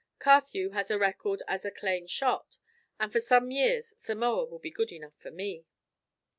Carthew has a record as "a clane shot," and for some years Samoa will be good enough for me.